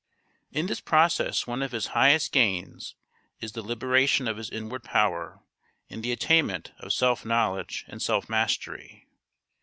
In this process one of his highest gains is the liberation of his inward power and the attainment of self knowledge and self mastery.